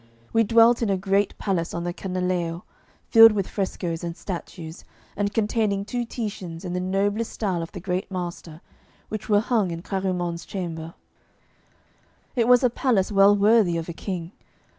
We dwelt in a great palace on the Canaleio, filled with frescoes and statues, and containing two Titians in the noblest style of the great master, which were hung in Clarimonde's chamber. It was a palace well worthy of a king.